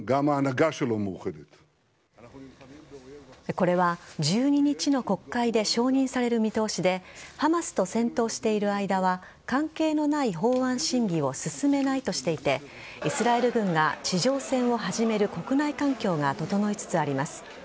これは、１２日の国会で承認される見通しでハマスと戦闘している間は関係のない法案審議を進めないとしていてイスラエル軍が地上戦を始める国内環境が整いつつあります。